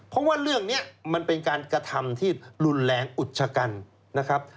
เพราะว่าเรื่องนี้มันเป็นการกระทำที่รุนแรงอุดชกันนะครับ